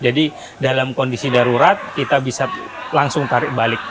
jadi dalam kondisi darurat kita bisa langsung tarik balik